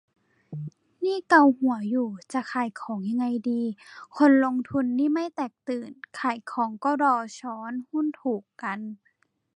นี่เกาหัวอยู่ จะขายของยังไงดี คนลงทุนนี่ไม่แตกตื่นขายของก็รอช้อนหุ้นถูกกัน